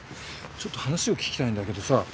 ちょっと話を聞きたいんだけどさ。